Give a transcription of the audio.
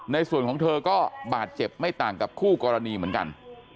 ในส่วนของเธอก็บาดเจ็บไม่ต่างกับคู่กรณีเหมือนกัน